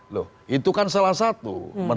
loh itu kan salah satu